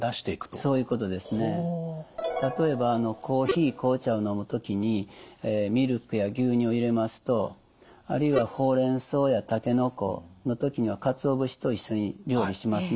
例えばコーヒー紅茶を飲む時にミルクや牛乳を入れますとあるいはほうれんそうやたけのこの時にはかつお節と一緒に料理しますね。